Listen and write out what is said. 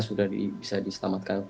sudah bisa diselamatkan